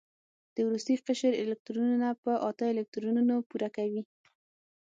د وروستي قشر الکترونونه په اته الکترونونو پوره کوي.